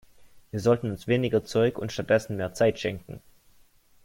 Wir sollten uns weniger Zeug und stattdessen mehr Zeit schenken.